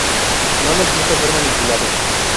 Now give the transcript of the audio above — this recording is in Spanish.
No les gusta ser manipulados.